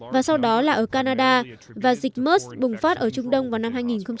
và sau đó là ở canada và dịch mers bùng phát ở trung đông vào năm hai nghìn một mươi hai